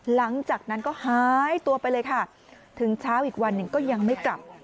หลังจากนั้นก็หายตัวไปเลยค่ะถึงเช้าอีกวันหนึ่งก็ยังไม่กลับ